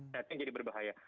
nanti jadi berbahaya